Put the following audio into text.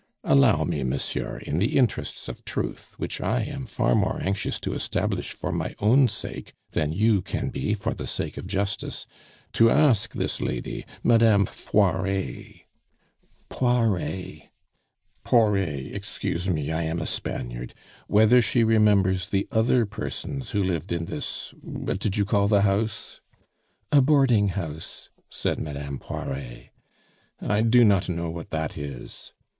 Allow me, monsieur, in the interests of truth, which I am far more anxious to establish for my own sake than you can be for the sake of justice, to ask this lady Madame Foiret " "Poiret." "Poret excuse me, I am a Spaniard whether she remembers the other persons who lived in this what did you call the house?" "A boarding house," said Madame Poiret. "I do not know what that is."